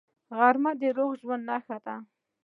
غرمه د روغ ژوند نښه ده